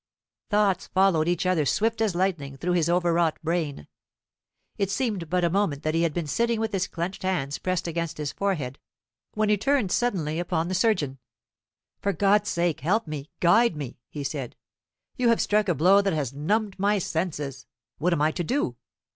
Thoughts followed each other swift as lightning through his overwrought brain. It seemed but a moment that he had been sitting with his clenched hands pressed against his forehead, when he turned suddenly upon the surgeon. "For God's sake, help me, guide me!" he said. "You have struck a blow that has numbed my senses. What am I to do?